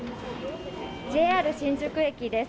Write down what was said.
ＪＲ新宿駅です